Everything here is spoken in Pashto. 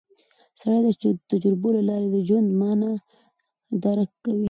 سړی د تجربو له لارې د ژوند مانا درک کوي